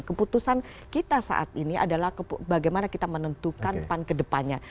keputusan kita saat ini adalah bagaimana kita menentukan pan ke depannya